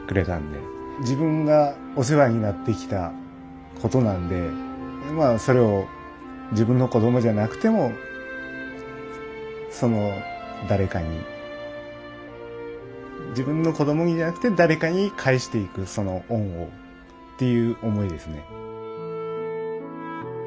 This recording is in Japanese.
自分がお世話になってきたことなんでそれを自分の子どもじゃなくても誰かに自分の子どもにじゃなくて誰かに返していくその恩をっていう思いですね。